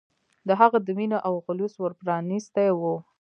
د هغه د مینې او خلوص ور پرانستی و.